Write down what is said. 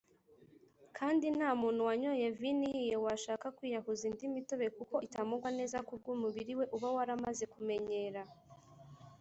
Kandi nta muntu wanyoye vino ihiye washaka kwiyahuza indi mitobe kuko itamugwa neza kubw’umubiri we uba waramaze kumenyera.